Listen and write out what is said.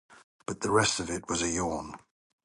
But the rest of it was a yawn!